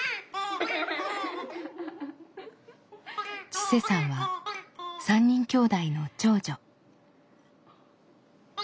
千青さんは３人きょうだいの長女。